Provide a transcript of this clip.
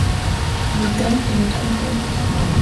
Le thème est le trompe-l'œil.